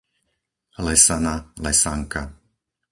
Lesana, Lesanka